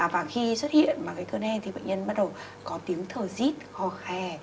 và khi xuất hiện cơn hen thì bệnh nhân bắt đầu có tiếng thở dít khò khè